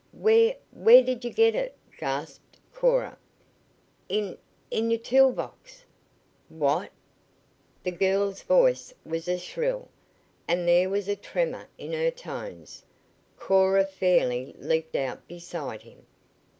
"Where where did you get it?" gasped Cora. "In in your tool box!" "What?" The girl's voice was shrill, and there was a tremor in her tones. Cora fairly leaped out beside him.